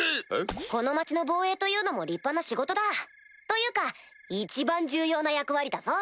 この町の防衛というのも立派な仕事だ。というか一番重要な役割だぞ。